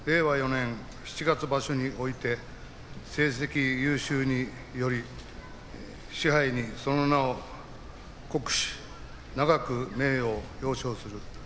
４年七月場所において成績優秀により賜盃に、その名を刻し永く名誉を表彰する。